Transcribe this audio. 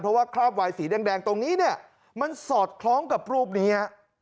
เพราะว่าคราบวายสีแดงตรงนี้เนี่ยมันสอดคล้องกับรูปนี้ฮะ